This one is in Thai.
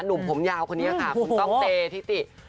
หนุ่มผมยาวคนนี้ค่ะคุณต้องเจทิติ